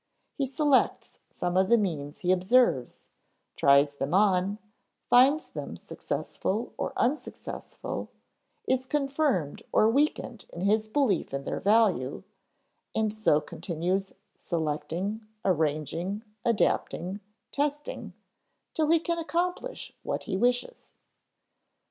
He selects some of the means he observes, tries them on, finds them successful or unsuccessful, is confirmed or weakened in his belief in their value, and so continues selecting, arranging, adapting, testing, till he can accomplish what he wishes.